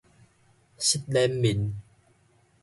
失臉面